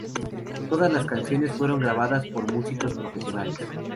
Todas las canciones fueron grabadas por músicos profesionales.